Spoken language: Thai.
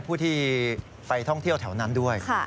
ผู้ที่ไปท่องเที่ยวแถวนั้นด้วย